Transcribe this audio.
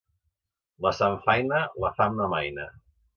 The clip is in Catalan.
La samfaina la fam no amaina.